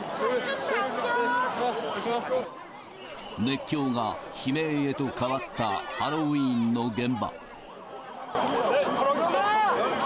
熱狂が悲鳴へと変わったハロウィーンの現場。